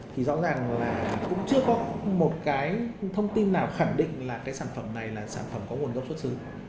thì rõ ràng là cũng chưa có một cái thông tin nào khẳng định là cái sản phẩm này là sản phẩm có nguồn gốc xuất xứ